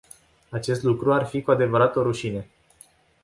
Acest lucru ar fi cu adevărat o rușine.